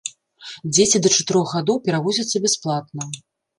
Дзеці да чатырох гадоў перавозяцца бясплатна.